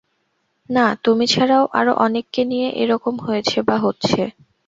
না তুমি ছাড়াও আরো অনেককে নিয়ে এ রকম হয়েছে বা হচ্ছে?